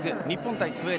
日本代表